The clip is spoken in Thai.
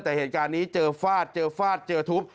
แต่เหตุการณ์นี้เจอฟาดเจอฟาดเจอทุบ